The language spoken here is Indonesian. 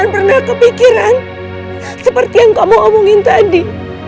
jangan pernah kepikiran seperti yang kamu omongin tadi